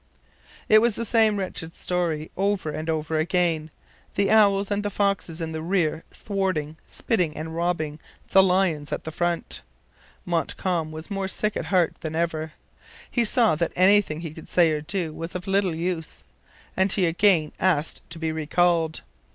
It was the same wretched story over and over again: the owls and foxes in the rear thwarting, spiting and robbing the lions at the front. Montcalm was more sick at heart than ever. He saw that anything he could say or do was of little use; and he again asked to be recalled.